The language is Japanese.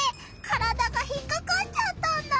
体が引っかかっちゃったんだ。